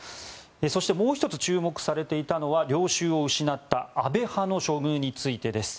そして、もう１つ注目されていたのは領袖を失った安倍派の処遇についてです。